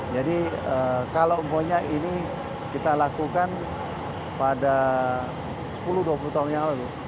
jadi kalau umpunya ini kita lakukan pada sepuluh dua puluh tahun yang lalu